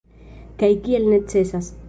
Kaj kiel necesas.